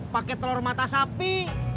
pake telor mata sapi